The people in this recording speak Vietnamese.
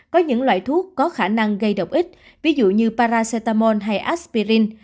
có những loại thuốc có khả năng gây độc ích ví dụ như paracetamol hay aspirin